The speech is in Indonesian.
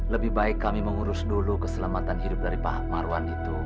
lebih baik kami mengurus dulu keselamatan hidup dari pak marwan itu